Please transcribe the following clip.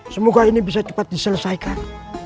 semoga ini bisa cepat diselesaikan